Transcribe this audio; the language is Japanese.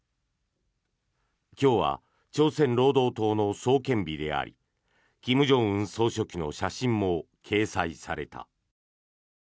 今日は朝鮮労働党の創建日であり金正恩総書記の写真も掲載された。